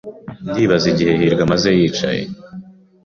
Ndibaza igihe hirwa amaze yicaye.